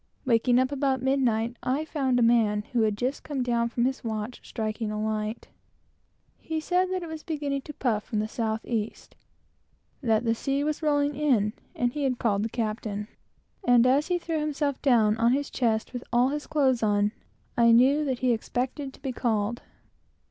Waking up about midnight, I found a man who had just come down from his watch, striking a light. He said that it was beginning to puff up from the south east, and that the sea was rolling in, and he had called the captain; and as he threw himself down on his chest with all his clothes on, I knew that he expected to be called.